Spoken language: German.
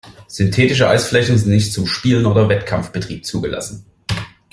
Synthetische Eisflächen sind nicht zum Spiel- oder Wettkampfbetrieb zugelassen.